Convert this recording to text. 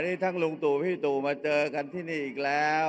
นี่ทั้งลุงตู่พี่ตู่มาเจอกันที่นี่อีกแล้ว